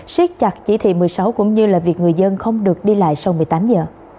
siết chặt chỉ thị một mươi sáu cũng như là việc người dân không được đi lại sau một mươi tám giờ